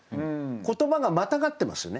言葉がまたがってますよね